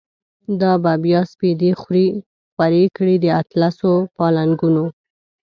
دا به بیا سپیدی خوری کړی، داطلسو پالنګونو